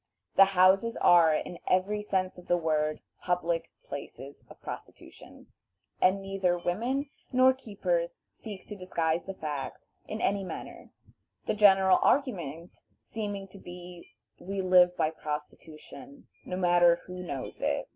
The houses are, in every sense of the word, "public" places of prostitution, and neither women nor keepers seek to disguise the fact in any manner, the general argument seeming to be, "We live by prostitution, no matter who knows it."